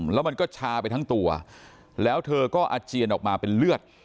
แล้วมันก็ชาไปทั้งตัวแล้วเธอก็อาเจียนออกมาเป็นเลือด